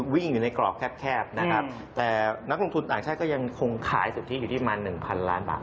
วิ่งอยู่ในกรอกแคบนะครับแต่นักลงทุนอาจใช้ก็ยังคงขายสุดที่อยู่ที่มา๑๐๐๐ล้านบาท